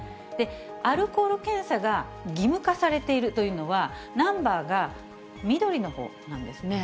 アルコール検査が義務化されているというのは、ナンバーが緑のほうなんですね。